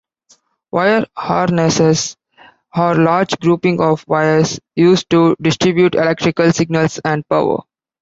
Wire harnesses are large groupings of wires used to distribute electrical signals and power.